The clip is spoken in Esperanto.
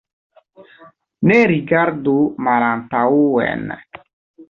Ne rigardu malantaŭen.